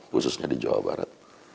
khususnya di jawa barat